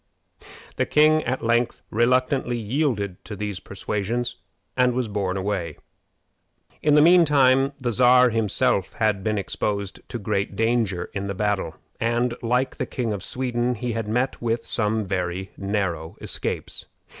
The king at length reluctantly yielded to these persuasions, and was borne away. In the mean time, the Czar himself had been exposed to great danger in the battle, and, like the King of Sweden, had met with some very narrow escapes.